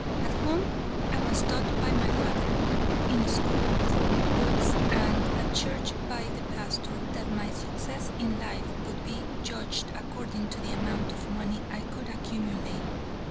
At home I was taught by my father, in school through books, and at church by the pastor, that my success in life would be judged according to the amount of money I could accumulate.